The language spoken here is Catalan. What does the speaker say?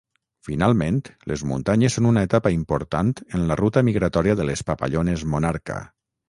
Finalment, les muntanyes són una etapa important en la ruta migratòria de les papallones monarca.